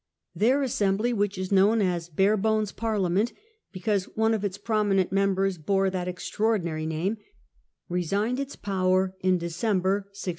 Their assem bly, which is known as " Barebones Parliament ", because one of its prominent members bore that extraordinary name, resigned its power in December, 1653.